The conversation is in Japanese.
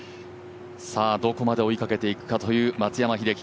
どこまで追いかけていくかという松山英樹